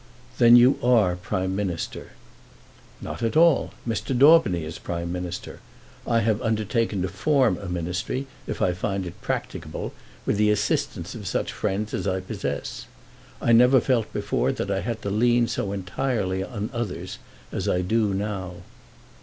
"Then you are Prime Minister." "Not at all. Mr. Daubeny is Prime Minister. I have undertaken to form a ministry, if I find it practicable, with the assistance of such friends as I possess. I never felt before that I had to lean so entirely on others as I do now."